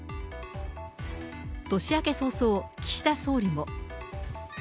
年明け早々、岸田総理も。